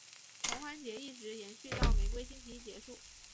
狂欢节一直延续到玫瑰星期一结束。